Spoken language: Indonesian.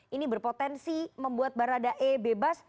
ini berpotensi membuat barada e bebas